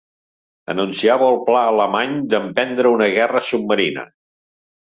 Anunciava el pla alemany d'em prendre una guerra submarina.